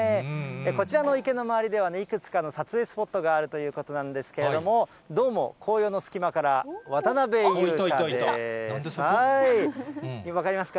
こちらの池の周りでは、いくつかの撮影スポットがあるということなんですけれども、どうも、紅葉の隙間から、渡辺裕太です。